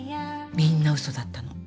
みんなウソだったの。